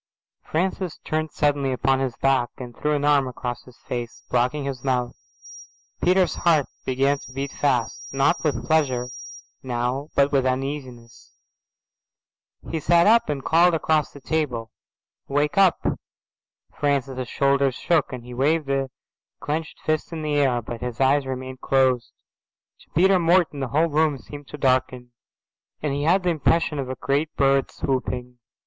Francis turned suddenly upon his back and threw an arm across his face, blocking his mouth. Peter's heart began to beat fast, not with pleasure now but with uneasiness. He sat up and called across the table, "Wake up." Francis's shoulders shook and he waved a clenched fist in the air, but his eyes remained closed. To Peter Morton the whole room seemed to darken, and he had the impression of a great bird swooping.